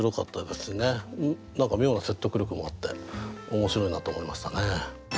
何か妙な説得力もあって面白いなと思いましたね。